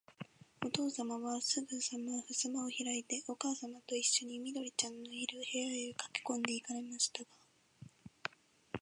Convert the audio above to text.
おとうさまは、すぐさまふすまをひらいて、おかあさまといっしょに、緑ちゃんのいる、部屋へかけこんで行かれましたが、